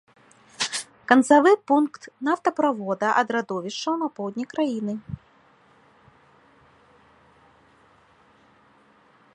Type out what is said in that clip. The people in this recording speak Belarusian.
Канцавы пункт нафтаправода ад радовішчаў на поўдні краіны.